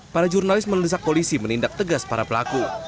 para jurnalis mendesak polisi menindak tegas para pelaku